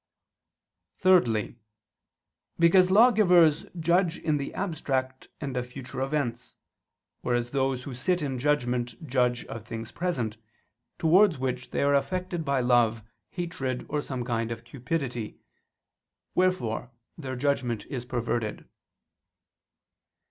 Thirdly, because lawgivers judge in the abstract and of future events; whereas those who sit in judgment judge of things present, towards which they are affected by love, hatred, or some kind of cupidity; wherefore their judgment is perverted.